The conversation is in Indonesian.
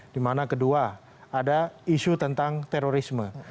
dimana kedua ada isu tentang terorisme